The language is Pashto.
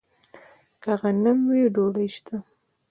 که غنم وي، ډوډۍ شته.